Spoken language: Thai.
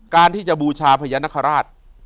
การที่จะบูชาพญานาคาราช